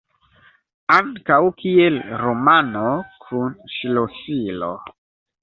Ankaŭ kiel "romano kun ŝlosilo".